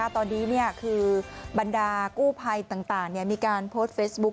ตอนนี้คือบรรดากู้ภัยต่างมีการโพสต์เฟซบุ๊ค